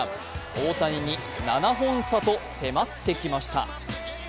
大谷に７本差と迫ってきました。